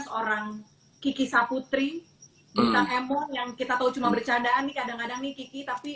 seorang kiki saputri bintang emon yang kita tahu cuma bercandaan nih kadang kadang nih kiki tapi